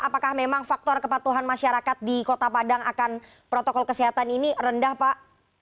apakah memang faktor kepatuhan masyarakat di kota padang akan protokol kesehatan ini rendah pak